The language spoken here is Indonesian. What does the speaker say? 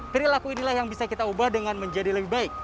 perilaku inilah yang bisa kita ubah dengan menjadi lebih baik